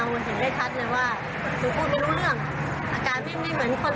การมาเห็นได้คัดเลยว่าถูกพูดไม่รู้เรื่อง